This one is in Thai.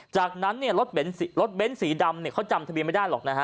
จากนั้นเนี่ยรถเบ้นสีดำเขาจำทะเบียนไม่ได้หรอกนะฮะ